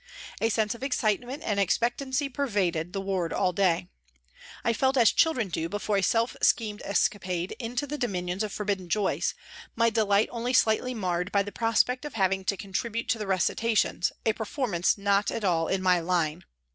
A sense of excite ment and expectancy pervaded the ward all day. I felt as children do before a self schemed escapade into the dominions of forbidden joys, my delight only slightly marred by the prospect of having to contribute to the recitations, a performance not at all in my line.